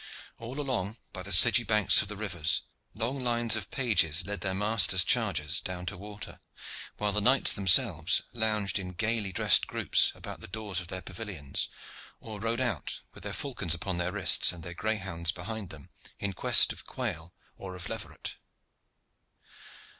All along by the sedgy banks of the rivers long lines of pages led their masters' chargers down to water, while the knights themselves lounged in gayly dressed groups about the doors of their pavilions, or rode out, with their falcons upon their wrists and their greyhounds behind them, in quest of quail or of leveret.